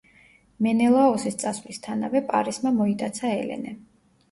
მენელაოსის წასვლისთანავე პარისმა მოიტაცა ელენე.